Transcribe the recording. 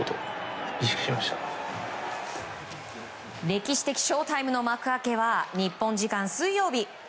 歴史的ショータイムの幕開けは日本時間水曜日。